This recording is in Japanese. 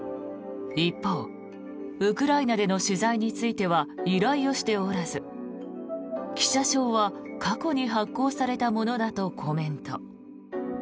一方、ウクライナでの取材については依頼をしておらず記者証は過去に発行されたものだとコメント。